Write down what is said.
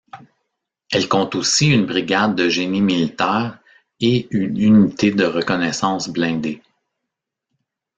Elle compte aussi une brigade de génie militaire et une unité de reconnaissance blindée.